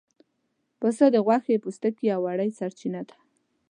پسه د غوښې، پوستکي او وړۍ سرچینه ده.